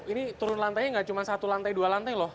ini turun lantainya nggak cuma satu lantai dua lantai loh